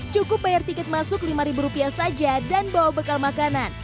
cukup bayar tiket masuk lima rupiah saja dan bawa bekal makanan